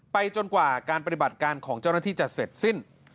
จนกว่าการปฏิบัติการของเจ้าหน้าที่จะเสร็จสิ้น